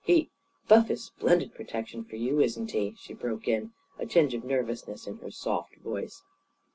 He " "Buff is splendid protection for you, isn't he?" she broke in, a tinge of nervousness in her soft voice.